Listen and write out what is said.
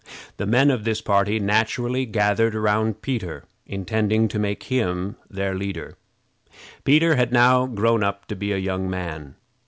The men of this party naturally gathered around Peter, intending to make him their leader. Peter had now grown up to be a young man.